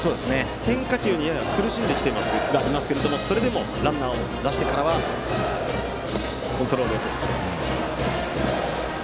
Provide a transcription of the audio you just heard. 変化球にやや苦しんでいますがそれでもランナーを出してからはコントロールよく。